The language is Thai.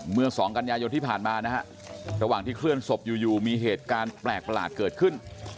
เมื่อ๒กันยายนที่ผ่านมานะฮะระหว่างที่เคลื่อนศพอยู่มีเหตุการณ์แปลกประหลาดเกิดขึ้น